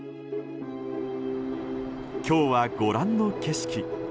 今日はご覧の景色。